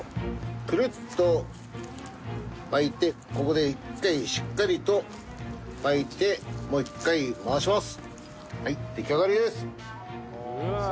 クルッと巻いてここで一回しっかりと巻いてもう一回回します。